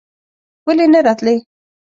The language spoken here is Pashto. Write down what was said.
ولې نه راتلې?